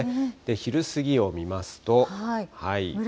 昼過ぎを見ますと。